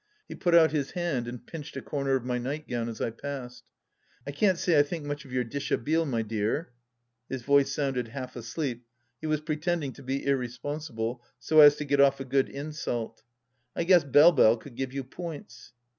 He put out his hand and pinched a corner of my nightgown as I passed :" I can't say I think much of your dishabille, my dear. ..." His voice sounded half asleep ; he was pretending to be irresponsible, so as to get off a good insult ;—" I guess Belle Belle could give you points."